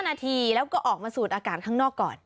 นาทีแล้วก็ออกมาสูดอากาศข้างนอกก่อน